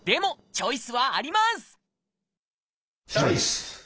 チョイス！